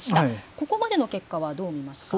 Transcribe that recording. ここまでの結果はどう見ますか。